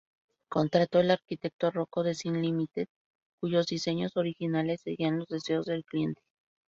Contrató al arquitecto Rocco Design Limited, cuyos diseños originales seguían los deseos del cliente.